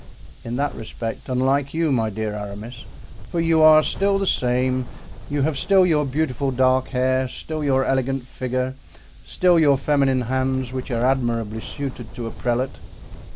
"In that respect unlike you, my dear Aramis, for you are still the same; you have still your beautiful dark hair, still your elegant figure, still your feminine hands, which are admirably suited to a prelate."